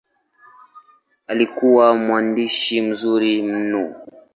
Alikuwa mwandishi mzuri mno.